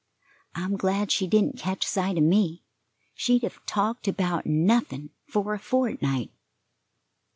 I'm glad she didn't catch sight of me; she'd have talked about nothing for a fortnight."